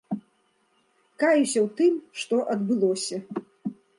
Каюся ў тым, што адбылося.